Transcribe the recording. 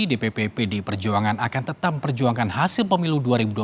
dpp pdi perjuangan akan tetap perjuangkan hasil pemilu dua ribu dua puluh